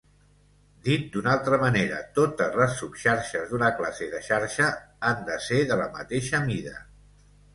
Dit d'una altra manera, totes les subxarxes d'una classe de xarxa han de ser de la mateixa mida.